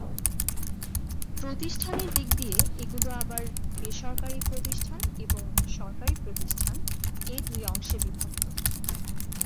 প্রতিষ্ঠানের দিক দিয়ে এগুলো আবার বেসরকারী প্রতিষ্ঠান এবং সরকারী প্রতিষ্ঠান এ দুই অংশে বিভক্ত।